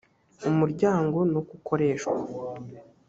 umuryango n uko ukoreshwa